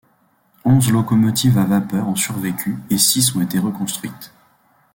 Onze locomotives à vapeur ont survécu, et six ont été reconstruites.